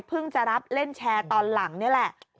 จะรับเล่นแชร์ตอนหลังนี่แหละ